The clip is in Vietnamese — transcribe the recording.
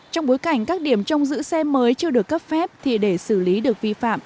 trong bối cảnh các điểm trong giữ xe mới chưa được cấp phép thì để xử lý được vi phạm